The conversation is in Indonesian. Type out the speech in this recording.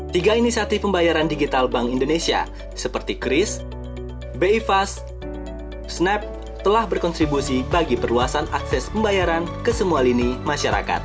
tiga inisiatif pembayaran digital bank indonesia seperti kris bi fast snap telah berkontribusi bagi perluasan akses pembayaran ke semua lini masyarakat